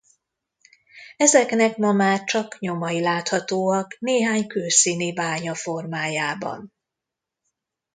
Ezeknek ma már csak nyomai láthatóak néhány külszíni bánya formájában.